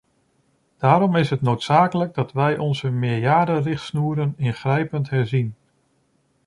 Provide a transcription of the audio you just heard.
Daarom is het noodzakelijk dat wij onze meerjarenrichtsnoeren ingrijpend herzien.